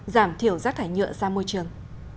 giảm thiểu rác thải nhựa sang môi trường